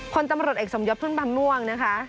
คนตำรวจเอกสมยศพุ่มพันธ์ม่วงนะคะ